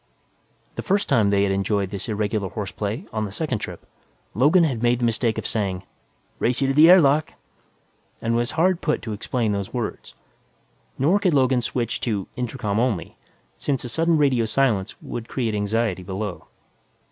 The first time they had enjoyed this irregular horseplay, on the second trip, Logan had made the mistake of saying, "Race you to the air lock!", and was hard put to explain those words. Nor could Logan switch to "intercom only," since a sudden radio silence would create anxiety below.